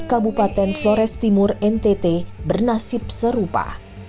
kabupaten flores timur ntt bernasib serupa